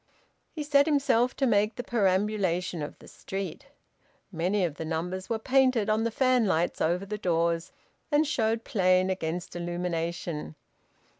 He set himself to make the perambulation of the street. Many of the numbers were painted on the fanlights over the doors and showed plain against illumination.